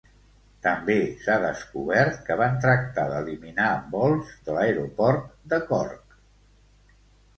També s'ha descobert que van tractar d'eliminar vols de l'aeroport de Cork.